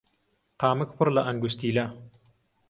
قامک پڕ لە ئەنگوستیلە